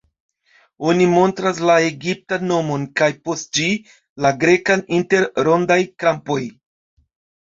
Oni montras la egiptan nomon, kaj, post ĝi, la grekan inter rondaj-krampoj.